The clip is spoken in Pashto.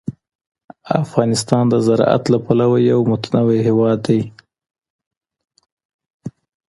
افغانستان د زراعت له پلوه یو متنوع هېواد دی.